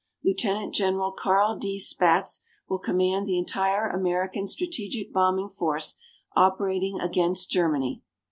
Lieutenant General Carl D. Spaatz will command the entire American strategic bombing force operating against Germany.